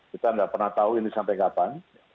kita nggak pernah tahu ini sampai kapan